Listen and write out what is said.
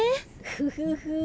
フフフ。